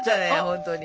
本当に。